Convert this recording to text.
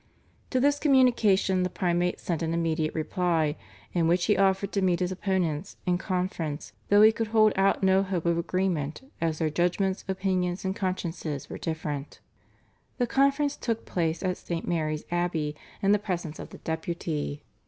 To this communication the Primate sent an immediate reply, in which he offered to meet his opponents in conference, though he could hold out no hope of agreement, as their "judgments, opinions, and consciences were different." The conference took place at St. Mary's Abbey in the presence of the Deputy.